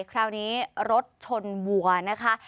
คราวนี้รถชนวัวนะคะ